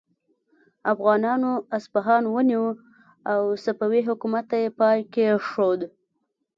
افغانانو اصفهان ونیو او صفوي حکومت ته یې پای کیښود.